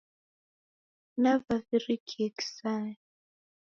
Navavirikie kisaya!